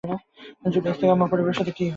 Julius আমার পরিবারের সাথে কি করেছে?